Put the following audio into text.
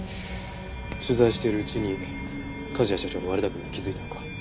取材しているうちに梶谷社長の悪巧みに気づいたのか？